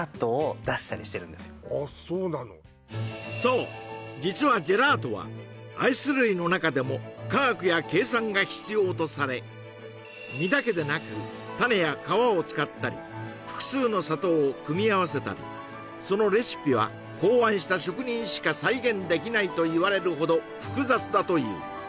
そう実はジェラートはアイス類の中でも化学や計算が必要とされ実だけでなく種や皮を使ったり複数の砂糖を組み合わせたりそのレシピはといわれるほど複雑だという